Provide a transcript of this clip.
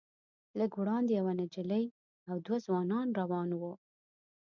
لږ وړاندې یوه نجلۍ او دوه ځوانان روان وو.